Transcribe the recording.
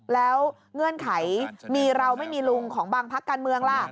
แล้วเงื่อนไขมีเราไม่มีลุงของบางพักการเมืองล่ะ